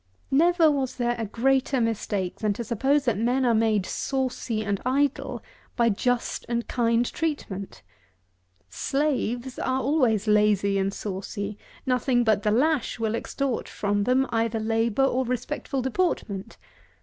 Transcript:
Never was there a greater mistake than to suppose that men are made saucy and idle by just and kind treatment. Slaves are always lazy and saucy; nothing but the lash will extort from them either labour or respectful deportment.